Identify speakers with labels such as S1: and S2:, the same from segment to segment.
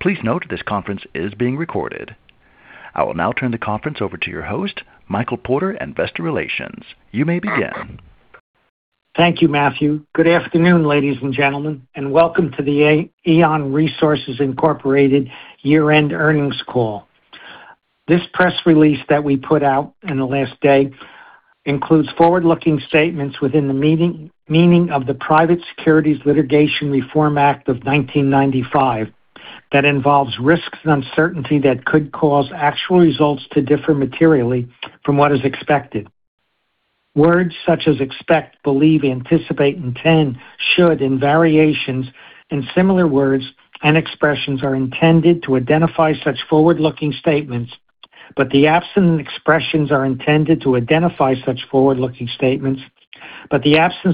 S1: Please note this conference is being recorded. I will now turn the conference over to your host, Michael Porter, Investor Relations. You may begin.
S2: Thank you, Matthew. Good afternoon, ladies and gentlemen, and welcome to the EON Resources Inc. year-end earnings call. This press release that we put out in the last day includes forward-looking statements within the meaning of the Private Securities Litigation Reform Act of 1995 that involves risks and uncertainty that could cause actual results to differ materially from what is expected. Words such as expect, believe, anticipate, intend, should, and variations and similar words and expressions are intended to identify such forward-looking statements. The absence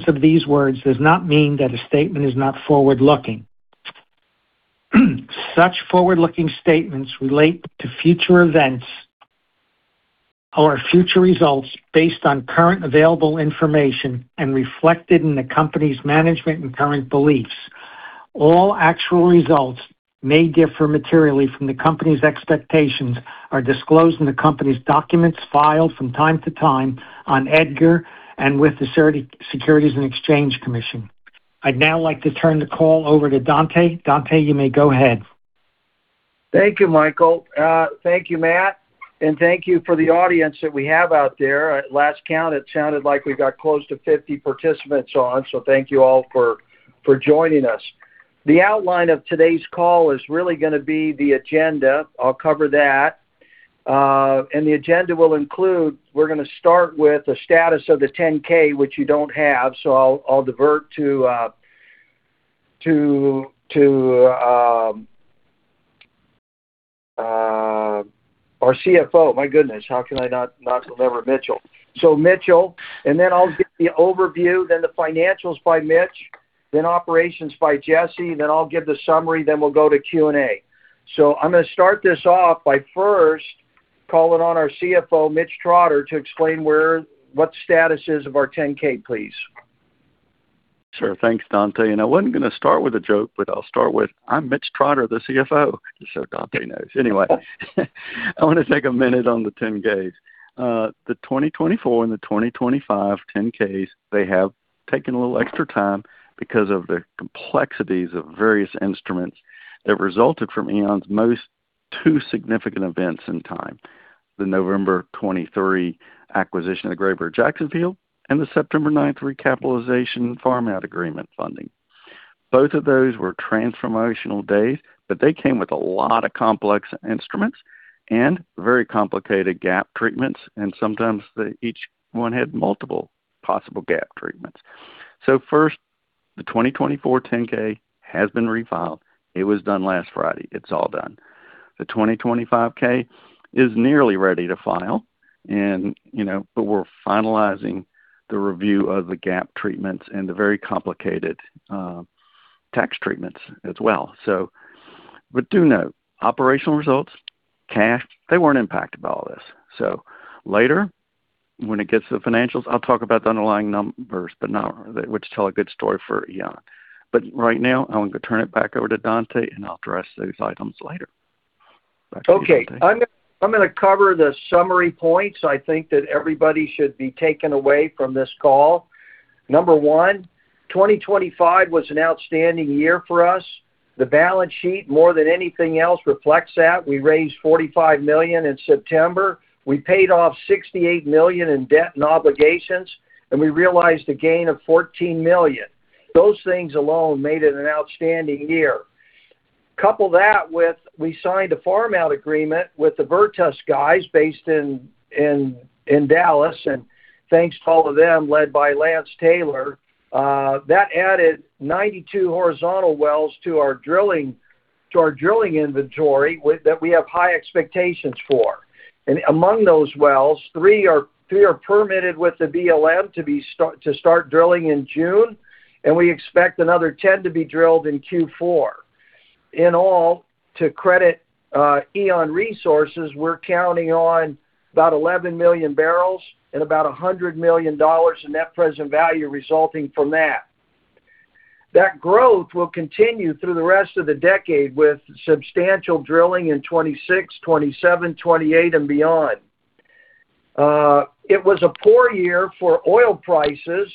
S2: of these words does not mean that a statement is not forward-looking. Such forward-looking statements relate to future events or future results based on current available information and reflected in the company's management and current beliefs. All actual results may differ materially from the company's expectations are disclosed in the company's documents filed from time to time on EDGAR and with the Securities and Exchange Commission. I'd now like to turn the call over to Dante. Dante, you may go ahead.
S3: Thank you, Michael. Thank you, Matt, and thank you for the audience that we have out there. At last count, it sounded like we got close to 50 participants on. Thank you all for joining us. The outline of today's call is really going to be the agenda. I'll cover that. The agenda will include, we're going to start with the status of the 10-K, which you don't have, I'll divert to our CFO. My goodness, how can I not remember Mitchell? Mitchell, then I'll give the overview, then the financials by Mitch, then operations by Jesse, then I'll give the summary, then we'll go to Q&A. I'm going to start this off by first calling on our CFO, Mitch Trotter, to explain what status is of our 10-K, please.
S4: Sure. Thanks, Dante. I wasn't gonna start with a joke, but I'll start with, I'm Mitch Trotter, the CFO. Just so Dante knows. Anyway, I wanna take a minute on the 10-Ks. The 2024 and the 2025 10-Ks, they have taken a little extra time because of the complexities of various instruments that resulted from EON's most two significant events in time: the November 23 acquisition of the Grayburg-Jackson Field and the September ninth recapitalization farm out agreement funding. Both of those were transformational days, but they came with a lot of complex instruments and very complicated GAAP treatments, and sometimes each one had multiple possible GAAP treatments. First, the 2024 10-K has been refiled. It was done last Friday. It's all done. The 2025 K is nearly ready to file and, you know, we're finalizing the review of the GAAP treatments and the very complicated tax treatments as well. Do note, operational results, cash, they weren't impacted by all this. Later, when it gets to the financials, I'll talk about the underlying numbers, which tell a good story for EON. Right now, I want to turn it back over to Dante, and I'll address those items later. Back to you, Dante.
S3: Okay. I'm gonna cover the summary points I think that everybody should be taken away from this call. Number one, 2025 was an outstanding year for us. The balance sheet, more than anything else, reflects that. We raised $45 million in September. We paid off $68 million in debt and obligations. We realized a gain of $14 million. Those things alone made it an outstanding year. Couple that with, we signed a farm-out agreement with the Virtus guys based in Dallas. Thanks to all of them, led by Lance Taylor, that added 92 horizontal wells to our drilling inventory that we have high expectations for. Among those wells, three are permitted with the BLM to start drilling in June. We expect another 10 to be drilled in Q4. In all, to credit EON Resources, we're counting on about 11 million barrels and about $100 million in net present value resulting from that. That growth will continue through the rest of the decade with substantial drilling in 2026, 2027, 2028 and beyond. It was a poor year for oil prices,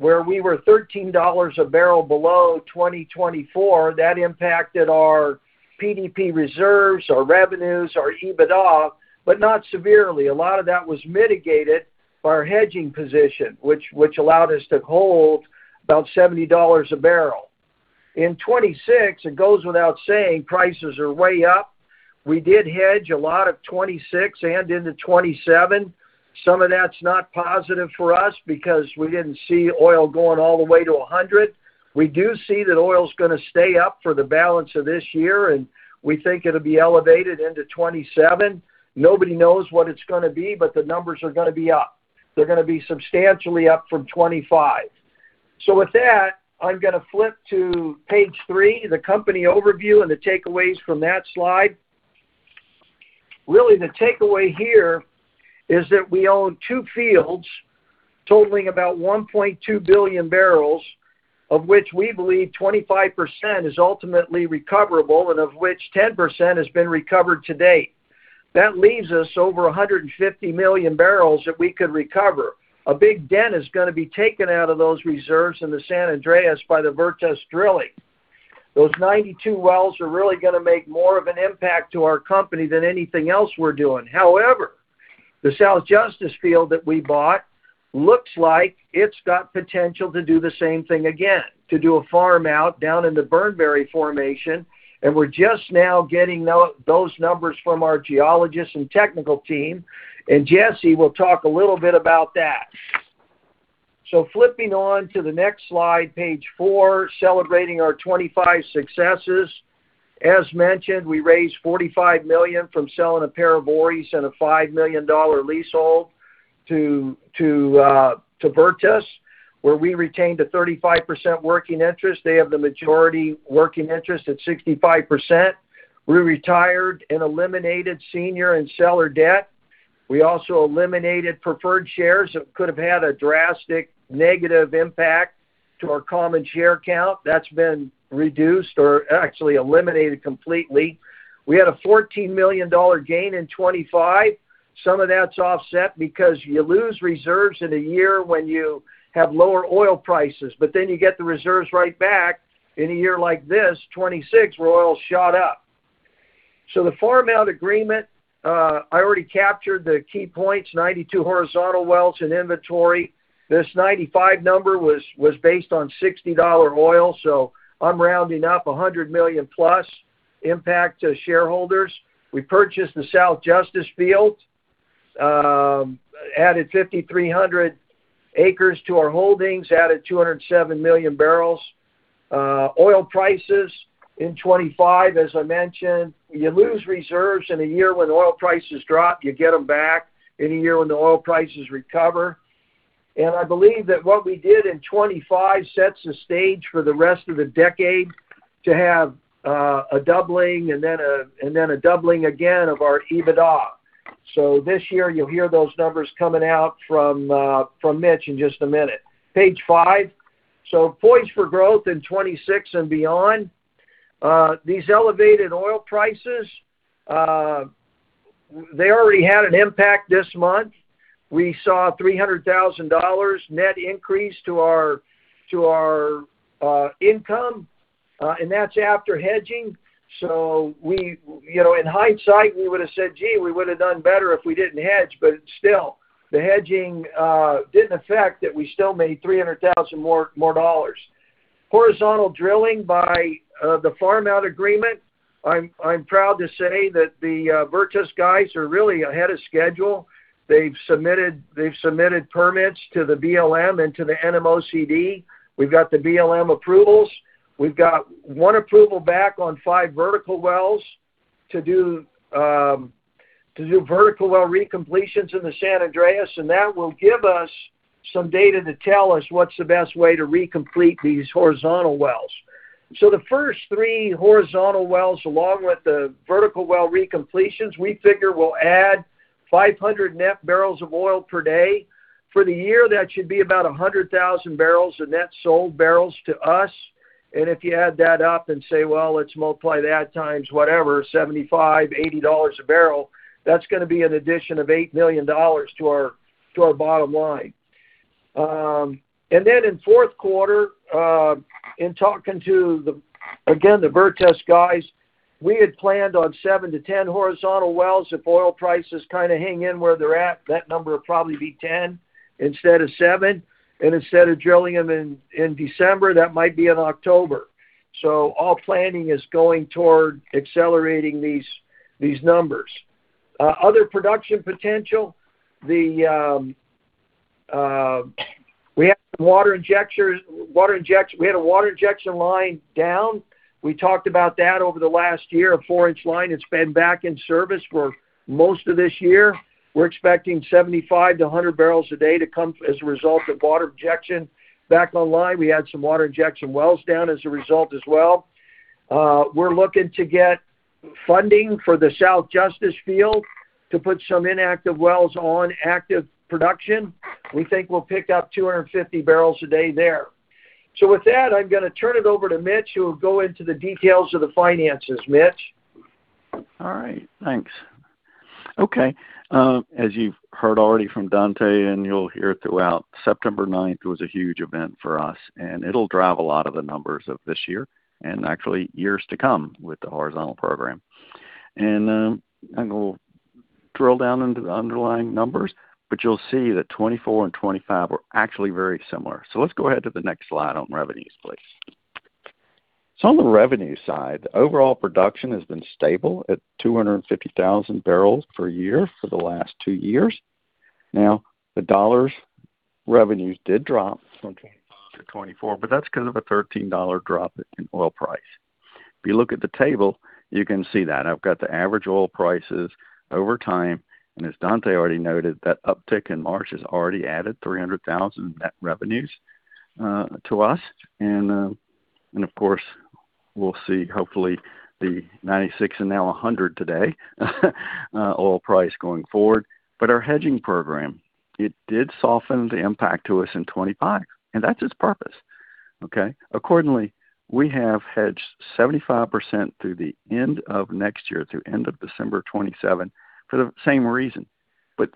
S3: where we were $13 a barrel below 2024. That impacted our PDP reserves, our revenues, our EBITDA, not severely. A lot of that was mitigated by our hedging position, which allowed us to hold about $70 a barrel. In 2026, it goes without saying prices are way up. We did hedge a lot of 2026 and into 2027. Some of that's not positive for us because we didn't see oil going all the way to 100. We do see that oil's gonna stay up for the balance of this year, and we think it'll be elevated into 2027. Nobody knows what it's gonna be, but the numbers are gonna be up. They're gonna be substantially up from 2025. With that, I'm gonna flip to page three, the company overview and the takeaways from that slide. Really, the takeaway here is that we own two fields totaling about 1.2 billion barrels, of which we believe 25% is ultimately recoverable, and of which 10% has been recovered to date. That leaves us over 150 million barrels that we could recover. A big dent is gonna be taken out of those reserves in the San Andres by the Virtus drilling. Those 92 wells are really gonna make more of an impact to our company than anything else we're doing. The South Justice Field that we bought looks like it's got potential to do the same thing again, to do a farm-out down in the Drinkard formation, and we're just now getting those numbers from our geologists and technical team, and Jesse will talk a little bit about that. Flipping on to the next slide, page four, celebrating our 2025 successes. As mentioned, we raised $45 million from selling a pair of ORRI and a $5 million leasehold to Virtus, where we retained a 35% working interest. They have the majority working interest at 65%. We retired and eliminated senior and seller debt. We also eliminated preferred shares that could have had a drastic negative impact to our common share count. That's been reduced or actually eliminated completely. We had a $14 million gain in 2025. Some of that's offset because you lose reserves in a year when you have lower oil prices, but then you get the reserves right back in a year like this, 2026, where oil shot up. The farm-out agreement, I already captured the key points, 92 horizontal wells in inventory. This 95 number was based on $60 oil, so I'm rounding up a $100 million-plus impact to shareholders. We purchased the South Justis Field, added 5,300 acres to our holdings, added 207 million barrels. Oil prices in 2025, as I mentioned, you lose reserves in a year when oil prices drop, you get them back in a year when the oil prices recover. I believe that what we did in 2025 sets the stage for the rest of the decade to have a doubling and then a doubling again of our EBITDA. This year you'll hear those numbers coming out from Mitch in just a minute. Page five. Poised for growth in 2026 and beyond. These elevated oil prices, they already had an impact this month. We saw $300,000 net increase to our income, and that's after hedging. We, you know, in hindsight, we would have said, "Gee, we would have done better if we didn't hedge." Still, the hedging didn't affect that we still made $300,000 more dollars. Horizontal drilling by the farm-out agreement, I'm proud to say that the Virtus guys are really ahead of schedule. They've submitted permits to the BLM and to the NMOCD. We've got the BLM approvals. We've got one approval back on five vertical wells to do vertical well recompletions in the San Andres, and that will give us some data to tell us what's the best way to recomplete these horizontal wells. The first three horizontal wells, along with the vertical well recompletions, we figure will add 500 net barrels of oil per day. For the year, that should be about 100,000 barrels of net sold barrels to us. If you add that up and say, well, let's multiply that times whatever, $75, $80 a barrel, that's gonna be an addition of $8 million to our bottom line. In fourth quarter, in talking to the, again, the Virtus guys, we had planned on seven to 10 horizontal wells. If oil prices kinda hang in where they're at, that number would probably be 10 instead of seven. Instead of drilling them in December, that might be in October. All planning is going toward accelerating these numbers. Other production potential, we have water injectors. We had a water injection line down. We talked about that over the last year, a four-inch line that's been back in service for most of this year. We're expecting 75 to 100 barrels a day to come as a result of water injection back online. We had some water injection wells down as a result as well. We're looking to get funding for the South Justice field to put some inactive wells on active production. We think we'll pick up 250 barrels a day there. With that, I'm gonna turn it over to Mitch, who will go into the details of the finances. Mitch?
S4: All right. Thanks. Okay. As you've heard already from Dante, you'll hear throughout, September ninth was a huge event for us. It'll drive a lot of the numbers of this year and actually years to come with the horizontal program. I'm gonna drill down into the underlying numbers, but you'll see that 2024 and 2025 were actually very similar. Let's go ahead to the next slide on revenues, please. On the revenue side, the overall production has been stable at 250,000 barrels per year for the last two years. Now, the dollars revenues did drop from 2025 to 2024, but that's because of a $13 drop in oil price. If you look at the table, you can see that. I've got the average oil prices over time. As Dante already noted, that uptick in March has already added $300,000 net revenues to us. We'll see hopefully the 96 and now 100 today oil price going forward. Our hedging program, it did soften the impact to us in 25, and that's its purpose. Okay. Accordingly, we have hedged 75% through the end of next year, through end of December of 2027 for the same reason.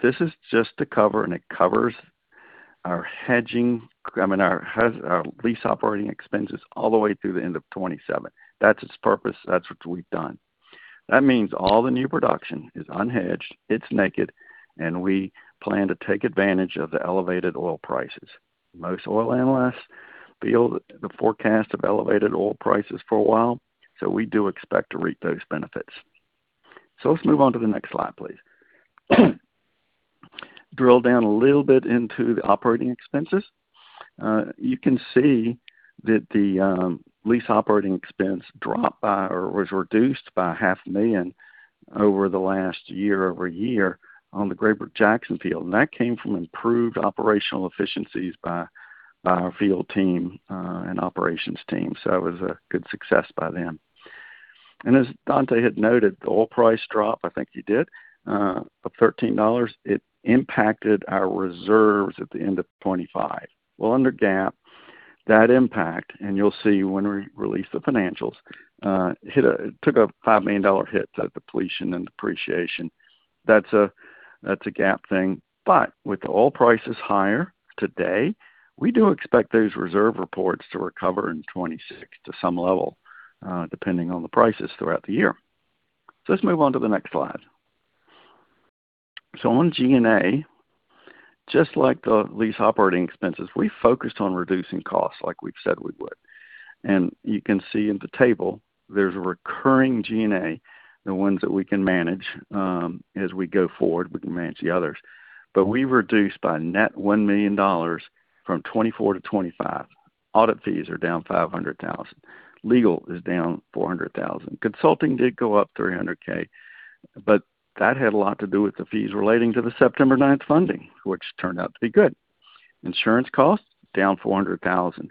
S4: This is just to cover, and it covers I mean, our hedge, our lease operating expenses all the way through the end of 2027. That's its purpose. That's what we've done. That means all the new production is unhedged, it's naked, and we plan to take advantage of the elevated oil prices. Most oil analysts feel the forecast of elevated oil prices for a while, we do expect to reap those benefits. Let's move on to the next slide, please. Drill down a little bit into the operating expenses. You can see that the lease operating expense dropped by or was reduced by half a million over the last year-over-year on the Grayburg-Jackson Field, that came from improved operational efficiencies by our field team and operations team. It was a good success by them. As Dante had noted, the oil price drop, I think he did, of $13, it impacted our reserves at the end of 2025. Under GAAP, that impact, you'll see when we release the financials, took a $5 million hit to depletion and depreciation. That's a GAAP thing. With the oil prices higher today, we do expect those reserve reports to recover in 2026 to some level, depending on the prices throughout the year. Let's move on to the next slide. On G&A, just like the lease operating expenses, we focused on reducing costs like we've said we would. You can see in the table there's a recurring G&A, the ones that we can manage, as we go forward, we can manage the others. We reduced by net $1 million from 2024 to 2025. Audit fees are down $500,000. Legal is down $400,000. Consulting did go up $300,000, but that had a lot to do with the fees relating to the September ninth funding, which turned out to be good. Insurance costs, down $400,000.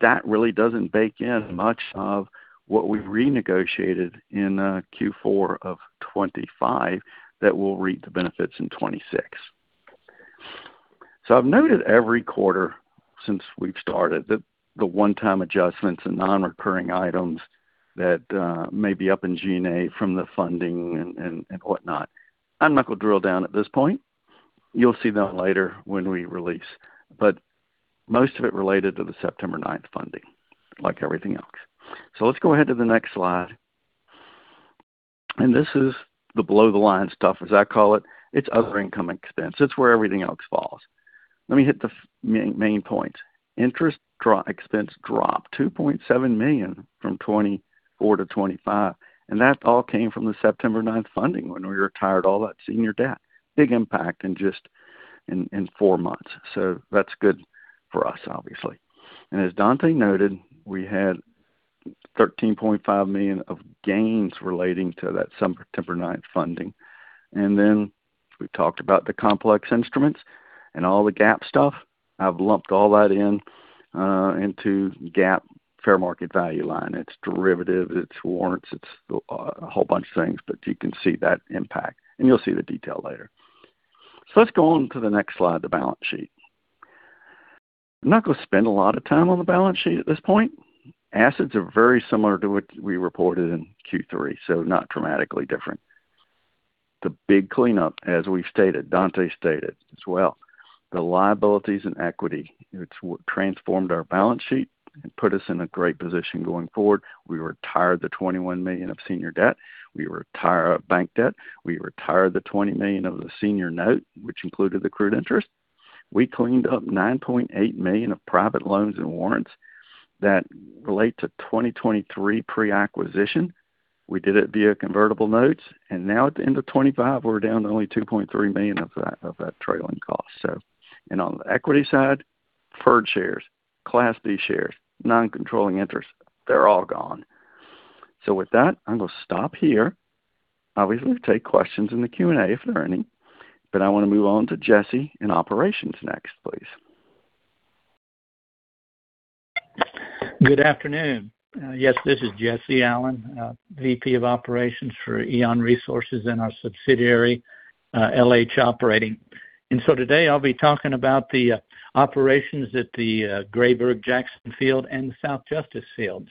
S4: That really doesn't bake in much of what we've renegotiated in Q4 of 2025 that we'll reap the benefits in 2026. I've noted every quarter since we've started that the one-time adjustments and non-recurring items that may be up in G&A from the funding and whatnot. I'm not gonna drill down at this point. You'll see that later when we release. Most of it related to the September ninth funding, like everything else. Let's go ahead to the next slide. This is the below the line stuff, as I call it. It's other income expense. It's where everything else falls. Let me hit the main points. Interest expense dropped $2.7 million from 2024 to 2025. That all came from the September ninth funding when we retired all that senior debt. Big impact in just in four months. That's good for us obviously. As Dante noted, we had $13.5 million of gains relating to that September ninth funding. Then we've talked about the complex instruments and all the GAAP stuff. I've lumped all that into GAAP fair market value line. It's derivatives, it's warrants, it's a whole bunch of things, but you can see that impact, and you'll see the detail later. Let's go on to the next slide, the balance sheet. I'm not gonna spend a lot of time on the balance sheet at this point. Assets are very similar to what we reported in Q3. Not dramatically different. The big cleanup, as we've stated, Dante stated as well, the liabilities and equity. It's what transformed our balance sheet and put us in a great position going forward. We retired the $21 million of senior debt. We retired bank debt. We retired the $20 million of the senior note, which included the accrued interest. We cleaned up $9.8 million of private loans and warrants that relate to 2023 pre-acquisition. We did it via convertible notes, and now at the end of 2025, we're down to only $2.3 million of that, of that trailing cost. On the equity side, preferred shares, Class D shares, non-controlling interests, they're all gone. With that, I'm gonna stop here. Obviously take questions in the Q&A if there are any, but I wanna move on to Jesse in operations next, please.
S5: Good afternoon. Yes, this is Jesse Allen, VP of Operations for EON Resources and our subsidiary, LH Operating. Today I'll be talking about the operations at the Grayburg-Jackson Field and South Justice fields.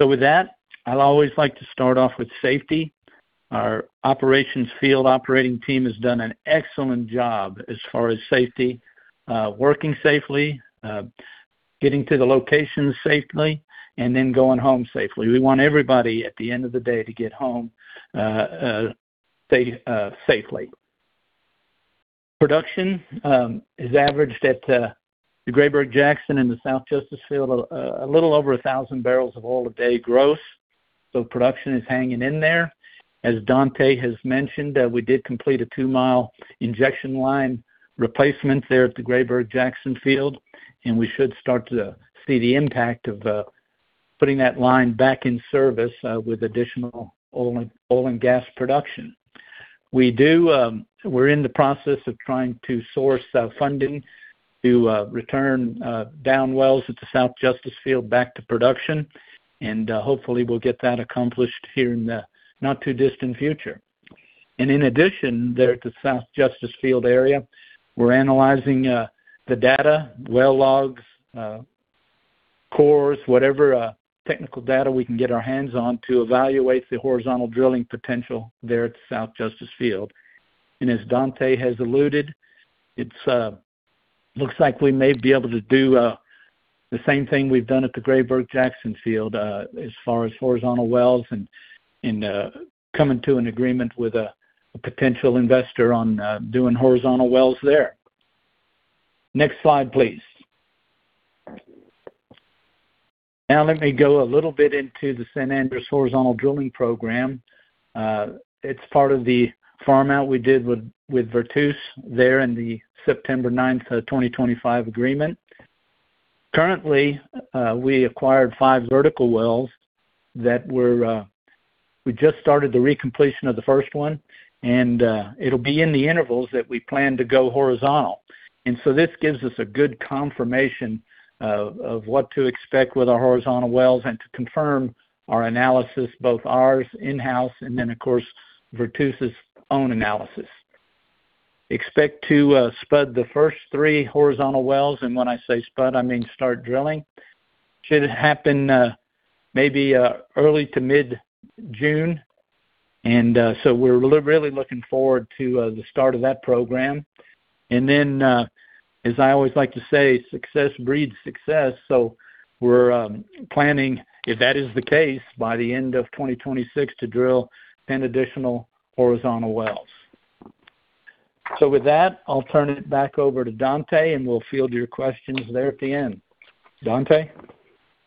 S5: With that, I always like to start off with safety. Our operations field operating team has done an excellent job as far as safety, working safely, getting to the location safely, and then going home safely. We want everybody at the end of the day to get home safe, safely. Production has averaged at the Grayburg-Jackson and the South Justice field a little over 1,000 barrels of oil a day gross. Production is hanging in there. As Dante has mentioned, we did complete a two-mile injection line replacement there at the Grayburg-Jackson Field, and we should start to see the impact of putting that line back in service with additional oil and gas production. We do, we're in the process of trying to source funding to return down wells at the South Justice Field back to production, and hopefully we'll get that accomplished here in the not too distant future. In addition there at the South Justice Field area, we're analyzing the data, well logs, cores, whatever technical data we can get our hands on to evaluate the horizontal drilling potential there at the South Justice Field. As Dante has alluded, it looks like we may be able to do the same thing we've done at the Grayburg-Jackson Field as far as horizontal wells and coming to an agreement with a potential investor on doing horizontal wells there. Next slide, please. Let me go a little bit into the San Andres horizontal drilling program. It's part of the farm out we did with Virtus there in the September 9, 2025 agreement. Currently, we acquired five vertical wells that we're, we just started the recompletion of the first one and it'll be in the intervals that we plan to go horizontal. This gives us a good confirmation of what to expect with our horizontal wells and to confirm our analysis, both ours in-house and then of course, Virtus' own analysis. Expect to spud the first three horizontal wells, and when I say spud, I mean start drilling. Should happen maybe early to mid-June. We're really looking forward to the start of that program. Then, as I always like to say, success breeds success. We're planning, if that is the case, by the end of 2026 to drill 10 additional horizontal wells. With that, I'll turn it back over to Dante, and we'll field your questions there at the end. Dante?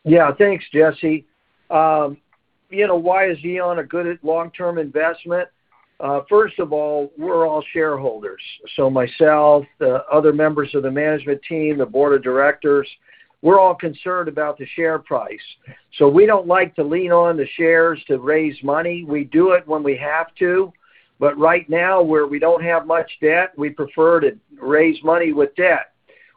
S3: Yeah. Thanks, Jesse. You know, why is EON a good long-term investment? First of all, we're all shareholders. Myself, the other members of the management team, the board of directors, we're all concerned about the share price. We don't like to lean on the shares to raise money. We do it when we have to, right now where we don't have much debt, we prefer to raise money with debt.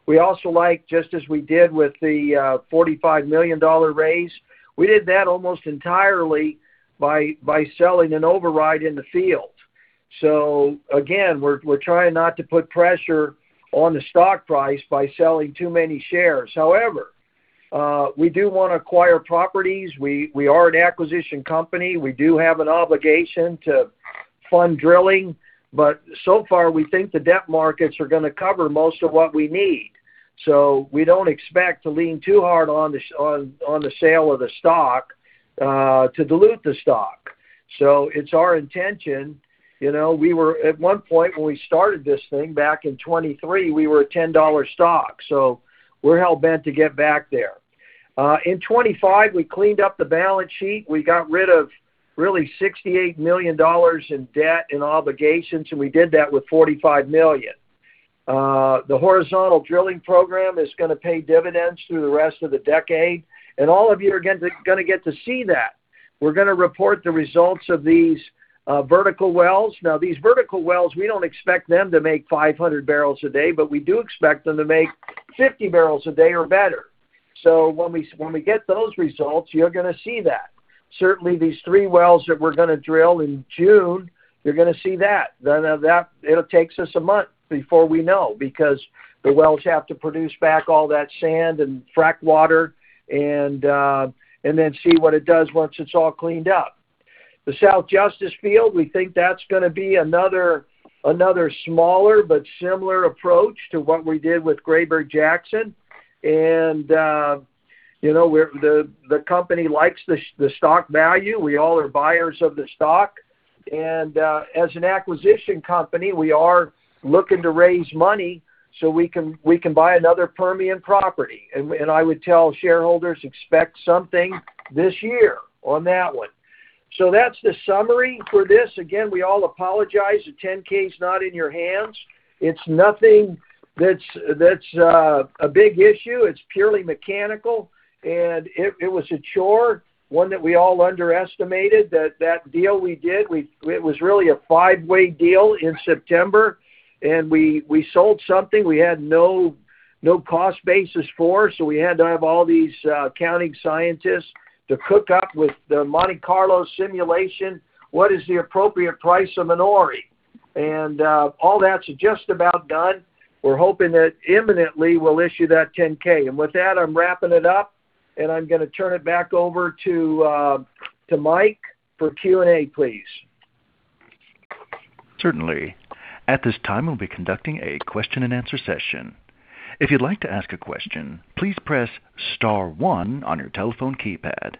S3: We also like, just as we did with the $45 million raise, we did that almost entirely by selling an override in the field. Again, we're trying not to put pressure on the stock price by selling too many shares. However, we do wanna acquire properties. We are an acquisition company. So far, we think the debt markets are going to cover most of what we need. We don't expect to lean too hard on the sale of the stock to dilute the stock. It's our intention. You know, we were at one point when we started this thing back in 2023, we were a $10 stock. We're hell-bent to get back there. In 2025, we cleaned up the balance sheet. We got rid of really $68 million in debt and obligations, and we did that with $45 million. The horizontal drilling program is going to pay dividends through the rest of the decade, and all of you are going to get to see that. We're going to report the results of these vertical wells. Now, these vertical wells, we don't expect them to make 500 barrels a day, but we do expect them to make 50 barrels a day or better. When we get those results, you're gonna see that. Certainly, these three wells that we're gonna drill in June, you're gonna see that. It takes us a month before we know because the wells have to produce back all that sand and frack water and then see what it does once it's all cleaned up. The South Justice Field, we think that's gonna be another smaller but similar approach to what we did with Grayburg Jackson. You know, the company likes the stock value. We all are buyers of the stock. As an acquisition company, we are looking to raise money so we can buy another Permian property. I would tell shareholders, expect something this year on that one. That's the summary for this. Again, we all apologize the 10-K's not in your hands. It's nothing that's a big issue. It's purely mechanical, and it was a chore, one that we all underestimated. That deal we did, it was really a five-way deal in September, and we sold something we had no cost basis for, so we had to have all these accounting scientists to cook up with the Monte Carlo simulation, what is the appropriate price of an ORI? All that's just about done. We're hoping that imminently we'll issue that 10-K. With that, I'm wrapping it up, and I'm gonna turn it back over to Mike for Q&A, please.
S1: Certainly. At this time, we'll be conducting a question and answer session. If you'd like to ask a question, please press star one on your telephone keypad.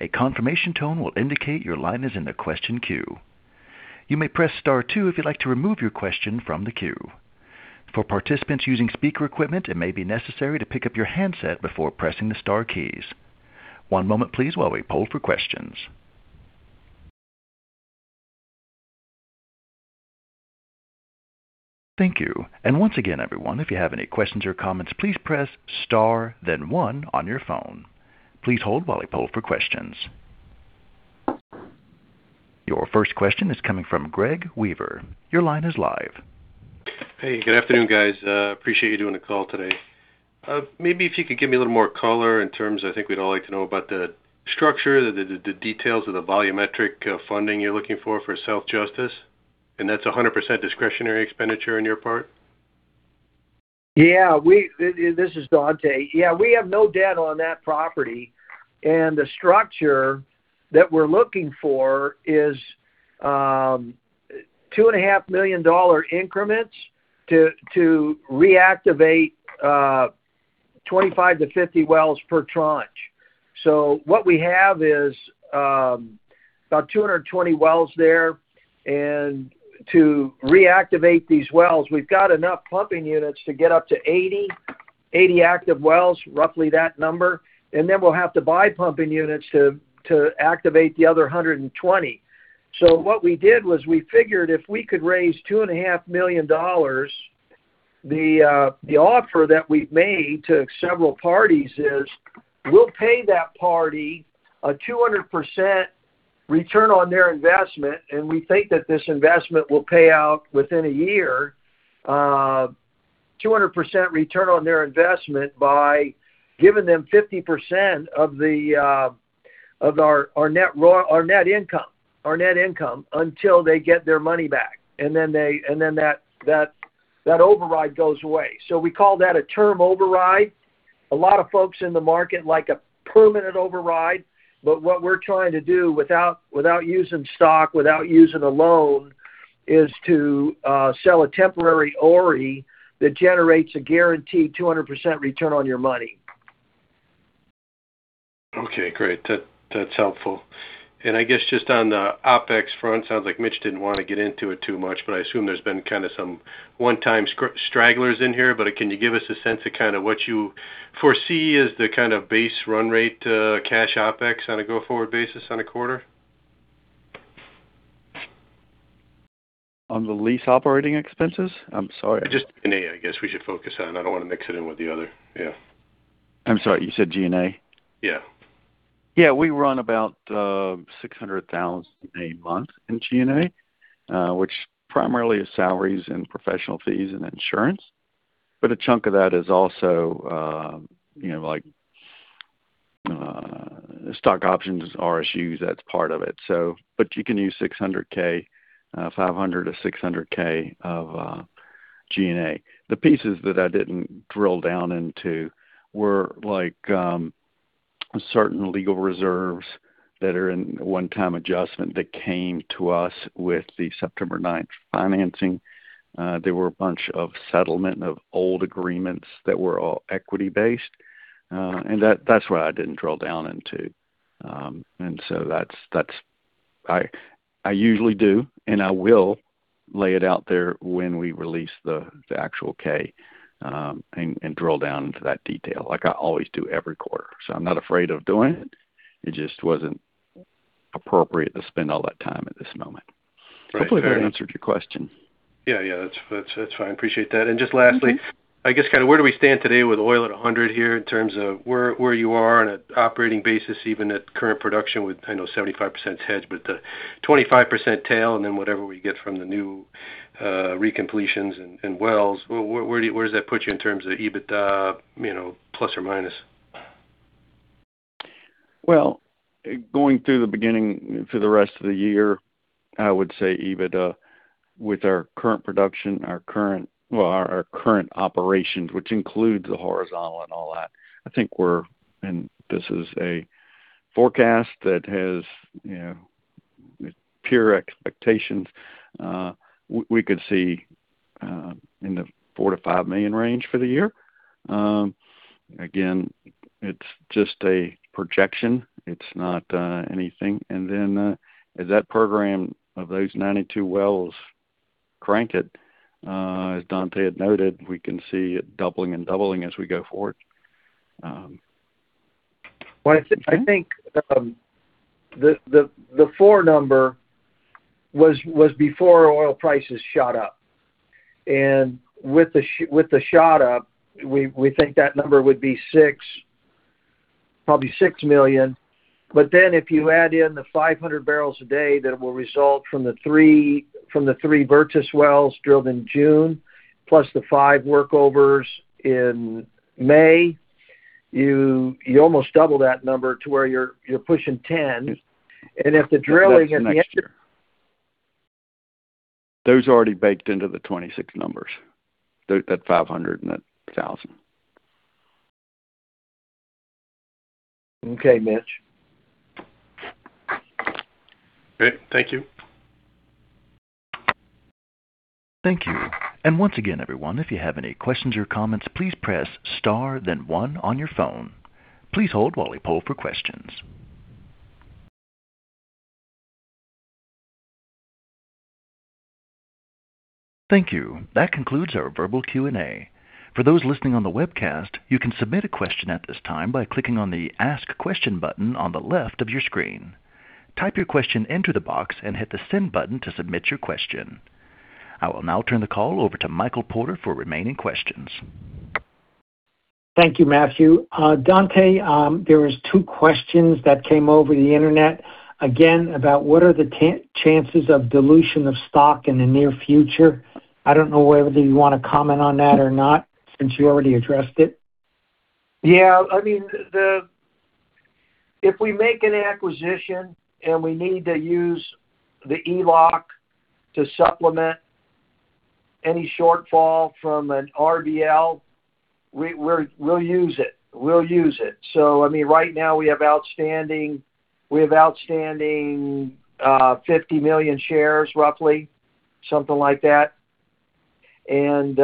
S1: A confirmation tone will indicate your line is in the question queue. You may press star two if you'd like to remove your question from the queue. For participants using speaker equipment, it may be necessary to pick up your handset before pressing the star keys. One moment please while we poll for questions. Thank you. Once again, everyone, if you have any questions or comments, please press Star then One on your phone. Please hold while we poll for questions. Your first question is coming from Greg Weaver. Your line is live.
S6: Hey, good afternoon, guys. Appreciate you doing the call today. Maybe if you could give me a little more color in terms of, I think we'd all like to know about the structure, the details of the volumetric funding you're looking for for South Justice. That's 100% discretionary expenditure on your part.
S3: This is Dante. We have no debt on that property. The structure that we're looking for is two and a half million dollar increments to reactivate 25-50 wells per tranche. What we have is about 220 wells there, and to reactivate these wells, we've got enough pumping units to get up to 80 active wells, roughly that number. We'll have to buy pumping units to activate the other 120. What we did was we figured if we could raise two and a half million dollars, the offer that we've made to several parties is, we'll pay that party a 200% return on their investment, and we think that this investment will pay out within one year, 200% return on their investment by giving them 50% of our net income until they get their money back. That override goes away. We call that a term override. A lot of folks in the market like a permanent override, what we're trying to do without using stock, without using a loan, is to sell a temporary ORI that generates a guaranteed 200% return on your money.
S6: Okay, great. That's helpful. I guess just on the OpEx front, sounds like Mitch didn't wanna get into it too much, but I assume there's been kinda some one-time stragglers in here. Can you give us a sense of kinda what you foresee as the kinda base run rate, cash OpEx on a go-forward basis on a quarter?
S4: On the lease operating expenses? I'm sorry.
S6: Just G&A, I guess, we should focus on. I don't wanna mix it in with the other. Yeah.
S4: I'm sorry, you said G&A?
S6: Yeah.
S4: Yeah. We run about $600,000 a month in G&A, which primarily is salaries and professional fees and insurance. A chunk of that is also, you know, like, stock options, RSUs, that's part of it. You can use $600K, $500K-$600K of G&A. The pieces that I didn't drill down into were, like, certain legal reserves that are in a one-time adjustment that came to us with the September ninth financing. There were a bunch of settlement of old agreements that were all equity-based, and that's what I didn't drill down into. That's. I usually do, and I will lay it out there when we release the actual K, and drill down into that detail like I always do every quarter. I'm not afraid of doing it just wasn't appropriate to spend all that time at this moment.
S6: Right. Fair.
S4: Hopefully, that answered your question.
S6: Yeah. That's fine. Appreciate that. Just lastly, I guess kinda where do we stand today with oil at $100 here in terms of where you are on an operating basis, even at current production with, I know 75%'s hedged, but the 25% tail, and then whatever we get from the new recompletions and wells, where does that put you in terms of EBITDA, you know, plus or minus?
S4: Well, going through the beginning for the rest of the year, I would say EBITDA with our current production, our current operations, which includes the horizontal and all that. This is a forecast that has, you know, pure expectations. We could see in the $4 million-$5 million range for the year. Again, it's just a projection. It's not anything. As that program of those 92 wells crank it, as Dante had noted, we can see it doubling and doubling as we go forward.
S3: Well, I think the 4 number was before oil prices shot up. With the shot up, we think that number would be 6 million. If you add in the 500 barrels a day that will result from the 3 Virtus wells drilled in June, plus the five workovers in May, you almost double that number to where you're pushing 10. If the drilling at the end-
S4: That's next year. Those are already baked into the 26 numbers. That 500 and that 1,000.
S3: Okay, Mitch.
S6: Great. Thank you.
S1: Thank you. Once again, everyone, if you have any questions or comments, please press Star then One on your phone. Please hold while we poll for questions. Thank you. That concludes our verbal Q&A. For those listening on the webcast, you can submit a question at this time by clicking on the Ask Question button on the left of your screen. Type your question into the box and hit the send button to submit your question. I will now turn the call over to Michael Porter for remaining questions.
S2: Thank you, Matthew. Dante, there was two questions that came over the Internet, again, about what are the chances of dilution of stock in the near future. I don't know whether you wanna comment on that or not since you already addressed it.
S3: I mean, if we make an acquisition and we need to use the ELOC to supplement any shortfall from an RBL, we'll use it. We'll use it. I mean, right now we have outstanding 50 million shares roughly, something like that. We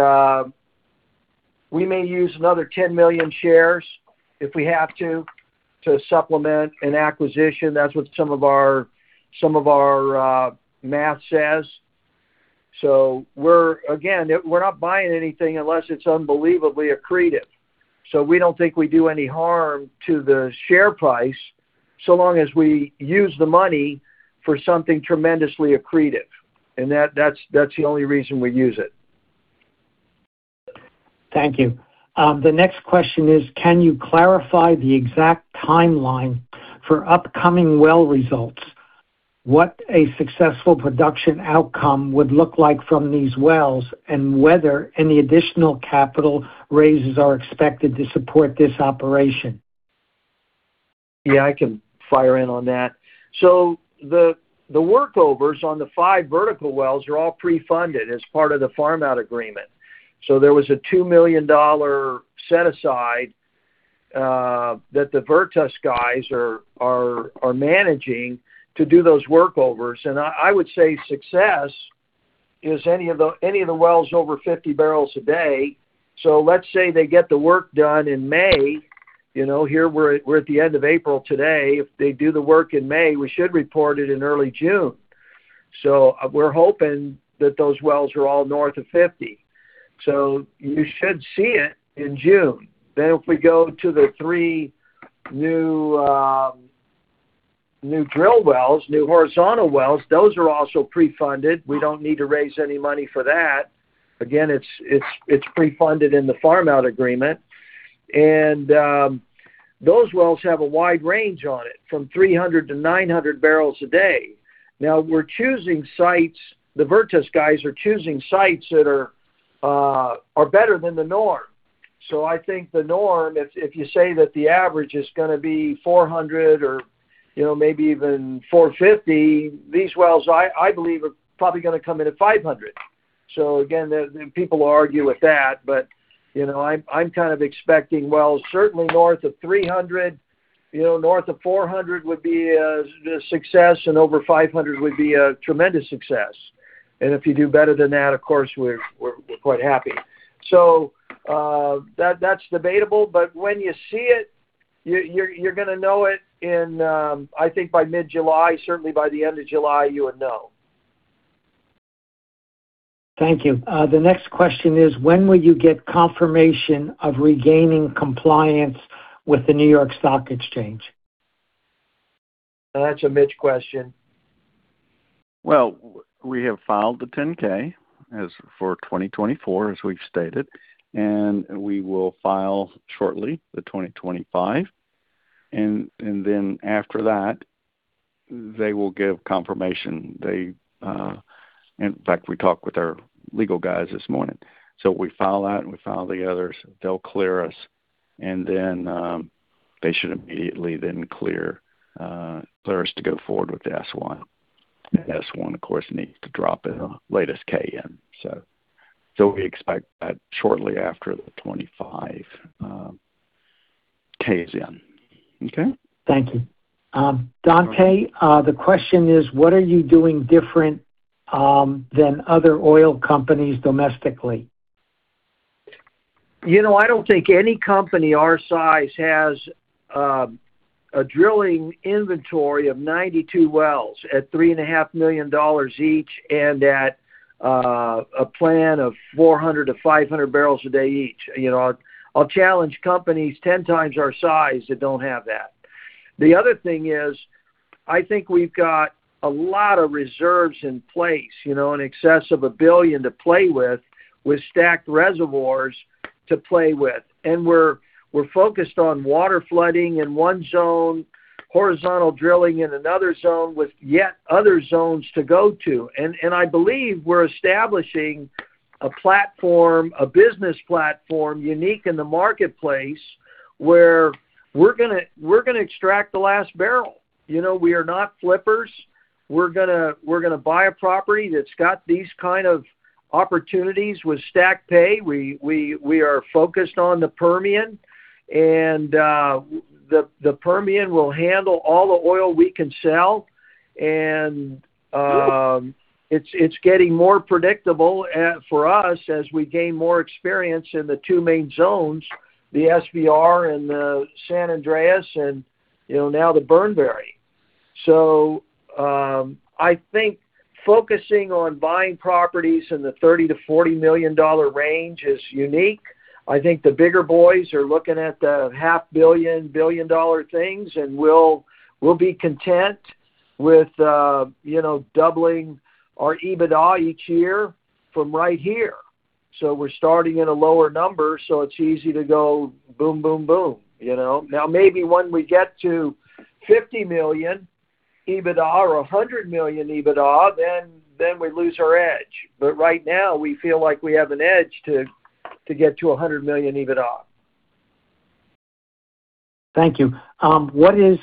S3: may use another 10 million shares if we have to supplement an acquisition. That's what some of our math says. Again, we're not buying anything unless it's unbelievably accretive. We don't think we do any harm to the share price, so long as we use the money for something tremendously accretive. That's the only reason we use it.
S2: Thank you. The next question is, can you clarify the exact timeline for upcoming well results? What a successful production outcome would look like from these wells, and whether any additional capital raises are expected to support this operation?
S3: Yeah, I can fire in on that. The workovers on the 5 vertical wells are all pre-funded as part of the farm-out agreement. There was a $2 million set aside that the Virtus guys are managing to do those workovers. I would say success is any of the wells over 50 barrels a day. Let's say they get the work done in May, you know, here we're at the end of April today. If they do the work in May, we should report it in early June. We're hoping that those wells are all north of 50. You should see it in June. If we go to the three new drill wells, new horizontal wells, those are also pre-funded. We don't need to raise any money for that. Again, it's pre-funded in the farm-out agreement. Those wells have a wide range on it, from 300 to 900 barrels a day. The Virtus guys are choosing sites that are better than the norm. I think the norm, if you say that the average is gonna be 400 or maybe even 450, these wells I believe are probably gonna come in at 500. Again, the people will argue with that, but I'm kind of expecting wells certainly north of 300. North of 400 would be a success, and over 500 would be a tremendous success. If you do better than that, of course, we're quite happy. That's debatable, but when you see it, you're gonna know it in, I think by mid-July, certainly by the end of July, you would know.
S2: Thank you. The next question is, when will you get confirmation of regaining compliance with the New York Stock Exchange?
S3: That's a Mitch question.
S4: Well, we have filed the 10-K for 2024, as we've stated, and we will file shortly the 2025. Then after that, they will give confirmation. They. In fact, we talked with our legal guys this morning. We file that and we file the others, they'll clear us, and then they should immediately then clear us to go forward with the S-1. The S-1, of course, needs to drop the latest K in. We expect that shortly after the 2025 K is in. Okay?
S2: Thank you. Dante, the question is, what are you doing different than other oil companies domestically?
S3: You know, I don't think any company our size has a drilling inventory of 92 wells at $3.5 million each and a plan of 400-500 barrels a day each. You know, I'll challenge companies 10 times our size that don't have that. The other thing is, I think we've got a lot of reserves in place, you know, in excess of $1 billion to play with stacked reservoirs to play with. We're focused on water flooding in one zone, horizontal drilling in another zone, with yet other zones to go to. I believe we're establishing a platform, a business platform unique in the marketplace where we're gonna, we're gonna extract the last barrel. You know, we are not flippers. We're gonna buy a property that's got these kind of opportunities with stacked pay. We are focused on the Permian and the Permian will handle all the oil we can sell. It's getting more predictable for us as we gain more experience in the two main zones, the SVR and the San Andres and, you know, now the Burnberry. Focusing on buying properties in the $30 million-$40 million range is unique. I think the bigger boys are looking at the half billion, $1 billion things, and we'll be content with, you know, doubling our EBITDA each year from right here. We're starting at a lower number, so it's easy to go boom, boom, you know? Maybe when we get to $50 million EBITDA or $100 million EBITDA, then we lose our edge. Right now, we feel like we have an edge to get to $100 million EBITDA.
S2: Thank you. What is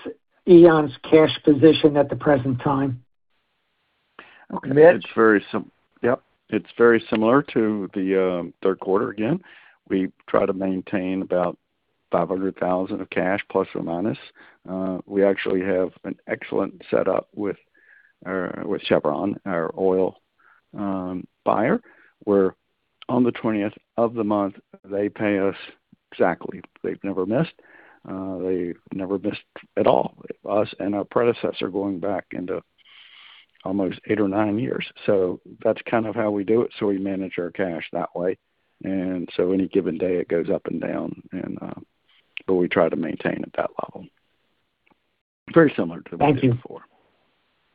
S2: EON's cash position at the present time?
S3: Mitch?
S4: Yep, it's very similar to the third quarter again. We try to maintain about $500,000 of cash, ±. We actually have an excellent setup with Chevron, our oil buyer, where on the 20th of the month, they pay us exactly. They've never missed. They never missed at all, us and our predecessor going back into almost eight or nine years. That's kind of how we do it, so we manage our cash that way. Any given day, it goes up and down. We try to maintain at that level. Very similar to what we did before.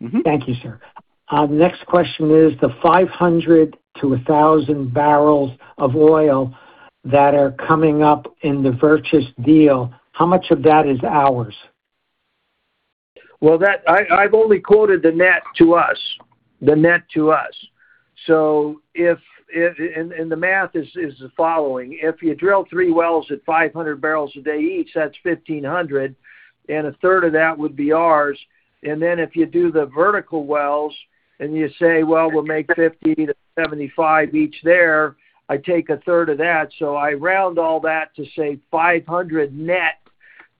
S2: Thank you. Thank you, sir. The next question is, the 500 to 1,000 barrels of oil that are coming up in the Virtus deal, how much of that is ours?
S3: Well, I've only quoted the net to us, the net to us. If the math is the following: If you drill three wells at 500 barrels a day each, that's 1,500, and a third of that would be ours. If you do the vertical wells and you say, "Well, we'll make 50-75 each there," I take a third of that, so I round all that to say 500 net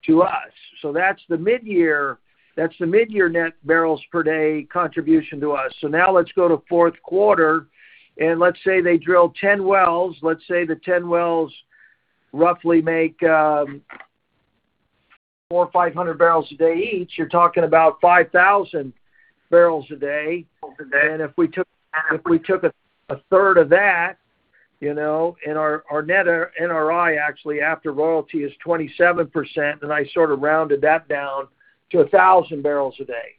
S3: to us. That's the midyear, that's the midyear net barrels per day contribution to us. Now let's go to fourth quarter, and let's say they drill 10 wells. Let's say the 10 wells roughly make 400 or 500 barrels a day each, you're talking about 5,000 barrels a day. If we took a third of that, you know, and our net NRI actually, after royalty, is 27%, I sort of rounded that down to 1,000 barrels a day.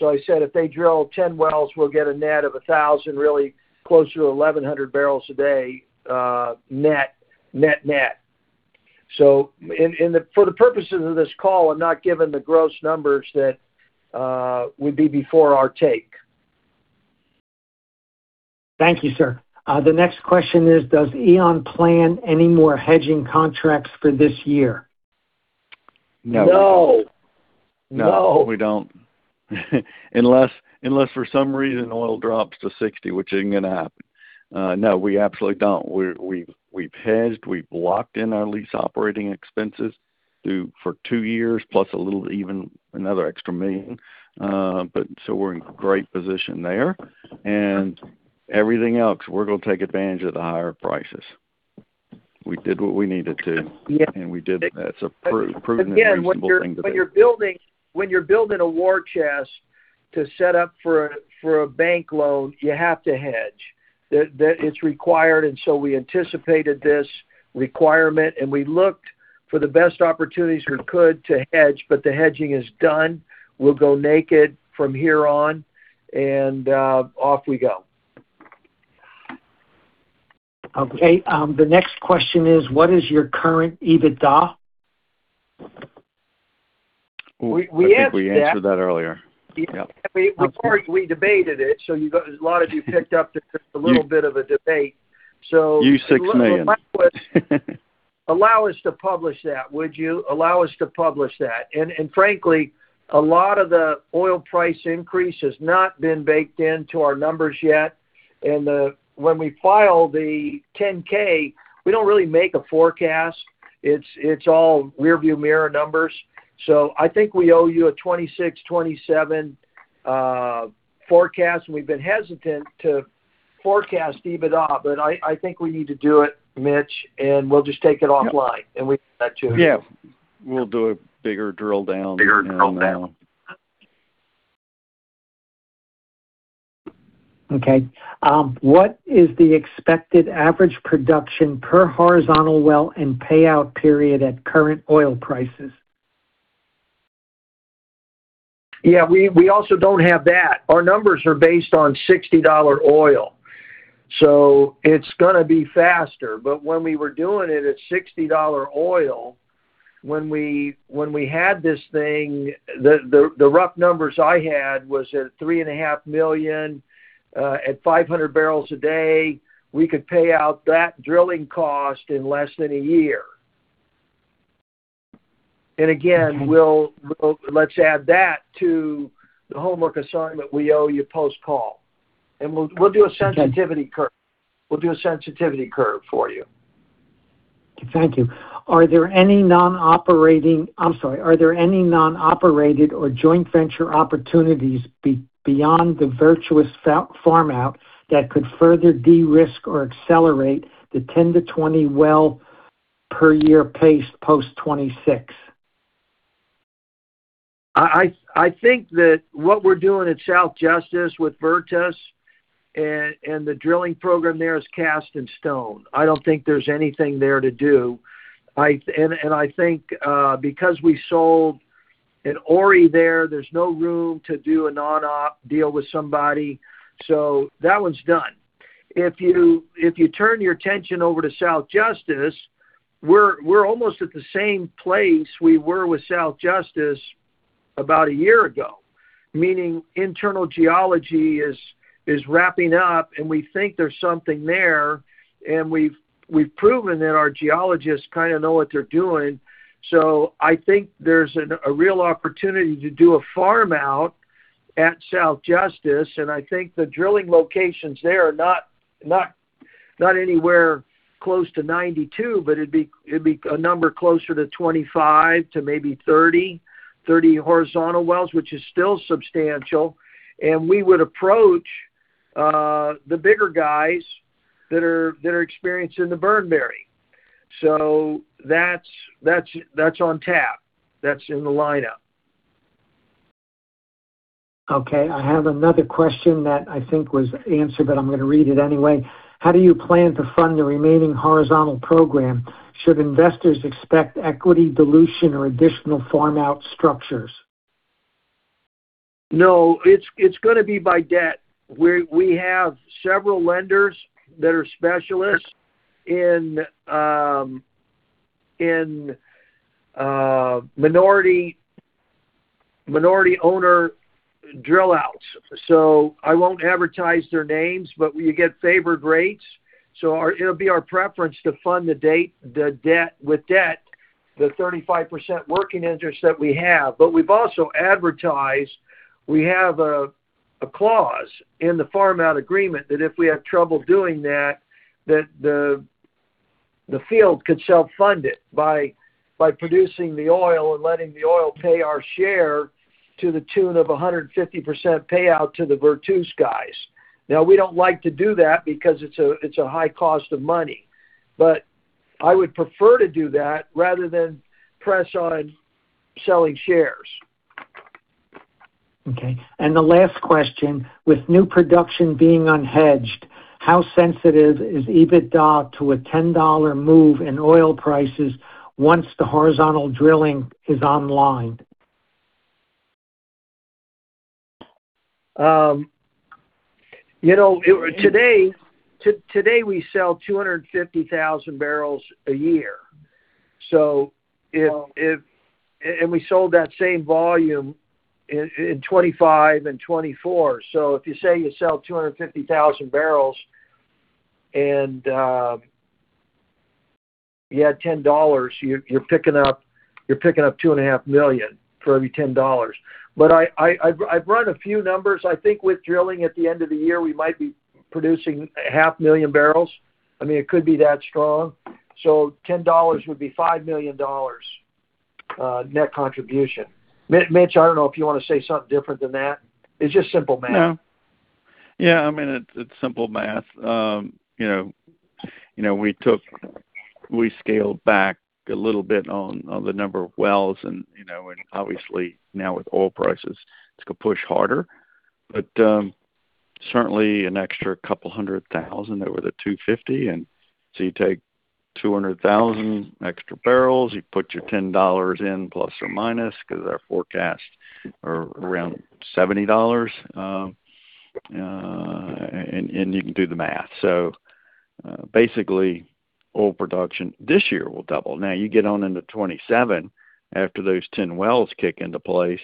S3: I said if they drill 10 wells, we'll get a net of 1,000, really closer to 1,100 barrels a day, net, net. For the purposes of this call, I'm not giving the gross numbers that would be before our take.
S2: Thank you, sir. The next question is, does EON plan any more hedging contracts for this year?
S4: No.
S3: No. No.
S4: We don't. Unless, unless for some reason oil drops to $60, which isn't gonna happen. No, we absolutely don't. We've hedged, we've locked in our lease operating expenses through, for two years, plus a little even another extra $1 million. We're in great position there. Everything else, we're gonna take advantage of the higher prices. We did what we needed to.
S3: Yeah.
S4: We did. That's a proven and reasonable thing to do.
S3: When you're building a war chest to set up for a bank loan, you have to hedge. It's required. We anticipated this requirement. We looked for the best opportunities we could to hedge. The hedging is done. We'll go naked from here on. Off we go.
S2: Okay. The next question is, what is your current EBITDA?
S3: We answered that.
S4: I think we answered that earlier. Yep.
S3: We debated it. A lot of you picked up that there's a little bit of a debate.
S4: You $6 million.
S3: Allow us to publish that, would you? Allow us to publish that. Frankly, a lot of the oil price increase has not been baked into our numbers yet. When we file the 10-K, we don't really make a forecast. It's all rearview mirror numbers. I think we owe you a 26, 27 forecast. We've been hesitant to forecast EBITDA, but I think we need to do it, Mitch. We'll just take it offline, and we can get that to you.
S4: Yeah. We'll do a bigger drill down now.
S3: Bigger drill down.
S2: Okay. What is the expected average production per horizontal well and payout period at current oil prices?
S3: Yeah, we also don't have that. Our numbers are based on $60 oil. It's going to be faster, but when we were doing it at $60 oil, when we had this thing, the rough numbers I had was at $3 and a half million, at 500 barrels a day, we could pay out that drilling cost in less than a year. Again, we'll add that to the homework assignment we owe you post-call. We'll do a sensitivity curve. We'll do a sensitivity curve for you.
S2: Thank you. Are there any non-operated or joint venture opportunities beyond the Virtus farm-out that could further de-risk or accelerate the 10 to 20 well per year pace post 2026?
S3: I think that what we're doing at South Justice with Virtus and the drilling program there is cast in stone. I don't think there's anything there to do. I think, because we sold an ORRI there's no room to do a non-op deal with somebody. That one's done. If you turn your attention over to South Justice, we're almost at the same place we were with South Justice about a year ago, meaning internal geology is wrapping up. We think there's something there, and we've proven that our geologists kinda know what they're doing. I think there's a real opportunity to do a farm out at South Justice. I think the drilling locations there are not anywhere close to 92, but it'd be a number closer to 25 to maybe 30 horizontal wells, which is still substantial. We would approach the bigger guys that are experienced in the Drinkard. That's on tap. That's in the lineup.
S2: Okay, I have another question that I think was answered, but I'm gonna read it anyway. How do you plan to fund the remaining horizontal program? Should investors expect equity dilution or additional farm-out structures?
S3: No. It's going to be by debt. We have several lenders that are specialists in minority owner drill outs. I won't advertise their names, but we get favored rates, so it'll be our preference to fund the debt with debt, the 35% working interest that we have. We've also advertised, we have a clause in the farm-out agreement that if we have trouble doing that the field could self-fund it by producing the oil and letting the oil pay our share to the tune of a 150% payout to the Virtus guys. We don't like to do that because it's a high cost of money, but I would prefer to do that rather than press on selling shares.
S2: Okay. The last question: With new production being unhedged, how sensitive is EBITDA to a $10 move in oil prices once the horizontal drilling is online?
S3: You know, today, we sell 250,000 barrels a year. If and we sold that same volume in 2025 and 2024. If you say you sell 250,000 barrels and you had $10, you're picking up $2.5 million for every $10. I've run a few numbers. I think with drilling at the end of the year, we might be producing 0.5 million barrels. I mean, it could be that strong. $10 would be $5 million net contribution. Mitch, I don't know if you wanna say something different than that. It's just simple math.
S4: No. Yeah, I mean, it's simple math. You know, you know, we scaled back a little bit on the number of wells and, you know, and obviously now with oil prices, it's gonna push harder. Certainly an extra 200,000 over the 250 and so you take 200,000 extra barrels, you put your $10 in, plus or minus, 'cause our forecasts are around $70, and you can do the math. Basically oil production this year will double. Now, you get on into 2027 after those 10 wells kick into place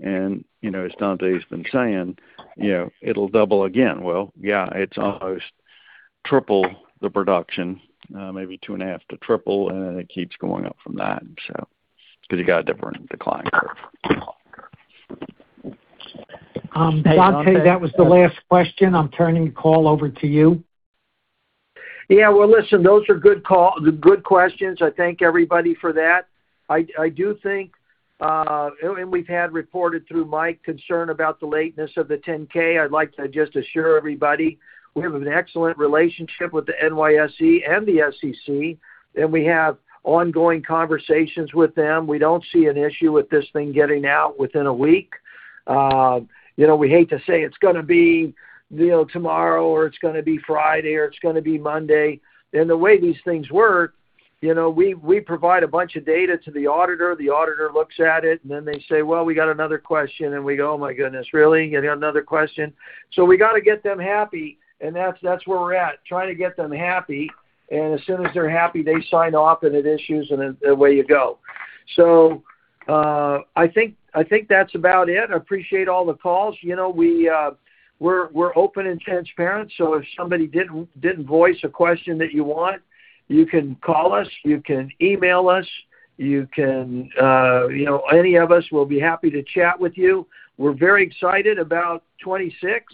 S4: and, you know, as Dante's been saying, you know, it'll double again. Well, yeah, it's almost triple the production, maybe two and a half to triple, and then it keeps going up from that, so, 'cause you got a different decline curve.
S2: Dante, that was the last question. I am turning the call over to you.
S3: Yeah. Well, listen, those are good call, good questions. I thank everybody for that. I do think, and we've had reported through Mike concern about the lateness of the 10-K. I'd like to just assure everybody we have an excellent relationship with the NYSE and the SEC, and we have ongoing conversations with them. We don't see an issue with this thing getting out within a week. You know, we hate to say it's gonna be, you know, tomorrow or it's gonna be Friday or it's gonna be Monday. The way these things work, you know, we provide a bunch of data to the auditor, the auditor looks at it, and then they say, "Well, we got another question." And we go, "Oh my goodness, really. You got another question? We gotta get them happy, and that's where we're at, trying to get them happy. As soon as they're happy, they sign off, and it issues, and then away you go. I think that's about it. I appreciate all the calls. You know, we're open and transparent, so if somebody didn't voice a question that you want, you can call us, you can email us, you can, you know, any of us will be happy to chat with you. We're very excited about 2026.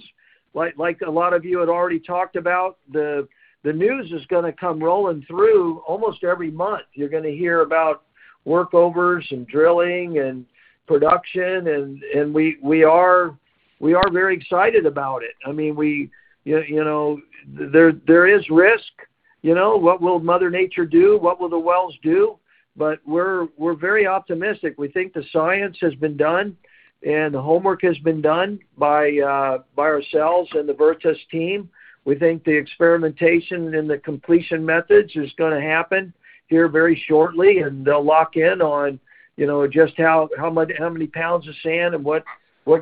S3: Like a lot of you had already talked about, the news is gonna come rolling through almost every month. You're gonna hear about workovers and drilling and production and we are very excited about it. I mean, we, you know, there is risk, you know. What will mother nature do? What will the wells do? We're very optimistic. We think the science has been done, and the homework has been done by ourselves and the Virtus team. We think the experimentation and the completion methods is gonna happen here very shortly, and they'll lock in on, you know, just how much, how many pounds of sand and what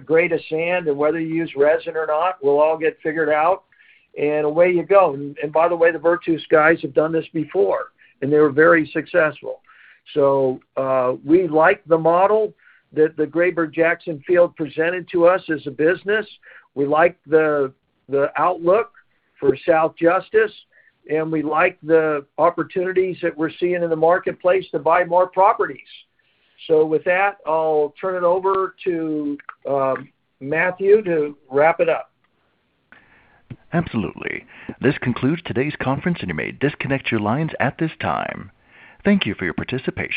S3: grade of sand and whether you use resin or not will all get figured out and away you go. By the way, the Virtus guys have done this before, and they were very successful. We like the model that the Grayburg Jackson field presented to us as a business. We like the outlook for South Justice, and we like the opportunities that we're seeing in the marketplace to buy more properties. With that, I'll turn it over to Matthew to wrap it up.
S1: Absolutely. This concludes today's conference, and you may disconnect your lines at this time. Thank you for your participation.